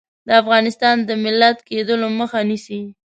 د افغانستان د ملت کېدلو مخه نیسي.